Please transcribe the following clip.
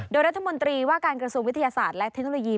โดยรัฐมนตรีว่าการกระทรวงวิทยาศาสตร์และเทคโนโลยี